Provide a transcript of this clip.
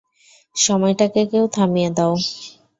সময়টাকে কেউ থামিয়ে দাও।